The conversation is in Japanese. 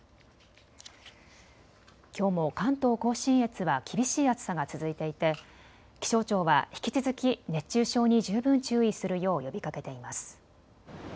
きょうも関東甲信越は厳しい暑さが続いていて気象庁は引き続き熱中症に十分注意するよう呼びかけています。